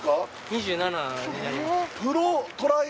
２７になります